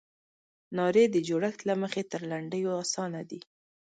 نارې د جوړښت له مخې تر لنډیو اسانه دي.